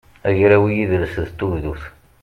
agraw i yidles d tugdut